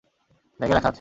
ব্যাগে রাখা আছে।